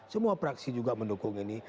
semua praksi juga mendukung ini